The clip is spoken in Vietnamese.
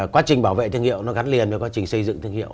quá trình bảo vệ thương hiệu nó gắn liền với quá trình xây dựng thương hiệu